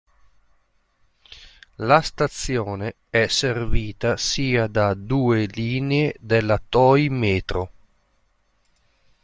La stazione è servita sia da due linee della Toei metro.